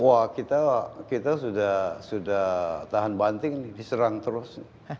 wah kita sudah tahan banting diserang terus